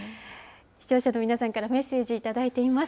視聴者の皆さんからメッセージ頂いています。